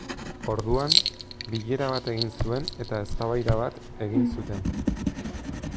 Orduan, bilera bat egin zuen eta eztabaida bat egin zuten.